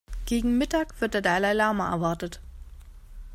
Gegen Mittag wird der Dalai-Lama erwartet.